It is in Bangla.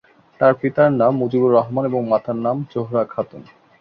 তার পিতার নাম মুজিবুর রহমান এবং মাতার নাম জোহরা খাতুন।